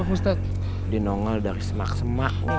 udah dinongel dari semak semak nih